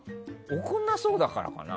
怒んなそうだからかな。